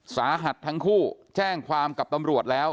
สาหัสทั้งคู่แจ้งความกับตำรวจแล้ว